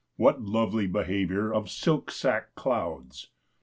what lovely behaviour Of silk sack clouds!